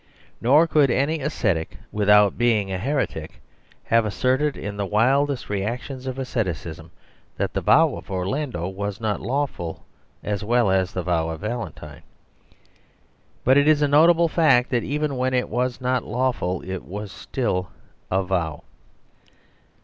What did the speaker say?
Nor could any ascetic, without being a here tic, have asserted in the wildest reactions of asceticism, that the vow of Orlando was not 86 The Superstition of Divorce lawful as well as the vow of Valentine. But it is a notable fact that even when it was not lawful, it was still a vow.